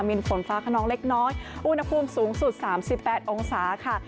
มีฝนฟ้าขนองเล็กน้อยอุณหภูมิสูงสุด๓๘องศาค่ะ